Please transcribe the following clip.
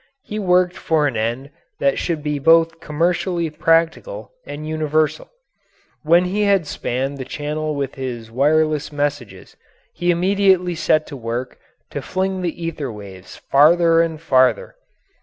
He worked for an end that should be both commercially practical and universal. When he had spanned the Channel with his wireless messages, he immediately set to work to fling the ether waves farther and farther.